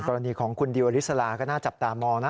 กรณีของคุณดิวอริสลาก็น่าจับตามองนะ